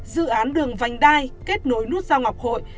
dự án đường vành đai kết nối nút giao ngọc hội